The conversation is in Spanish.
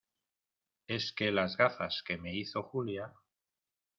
es que las gafas que me hizo Julia